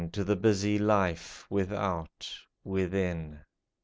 To the busy life, without, within.